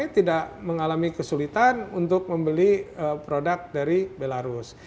tidak mengalami kesulitan untuk membeli produk dari belarus